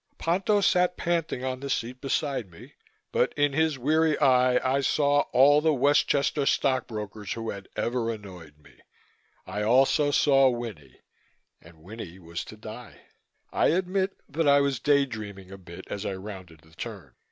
Ponto sat panting on the seat beside me, but in his weary eye I saw all the Westchester stock brokers who had ever annoyed me. I also saw Winnie, and Winnie was to die. I admit that I was day dreaming a bit as I rounded the turn.